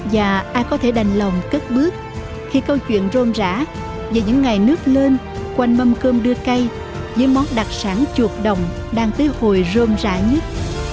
và ai có thể đành lòng cất bước khi câu chuyện rôn rã về những ngày nước lên quanh mâm cơm đưa cây với món đặc sản chuột đồng đang tới hồi rơm rã nhất